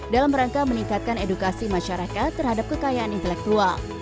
dalam rangka meningkatkan edukasi masyarakat terhadap kekayaan intelektual